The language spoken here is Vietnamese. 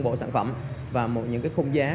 bộ sản phẩm và những khung giá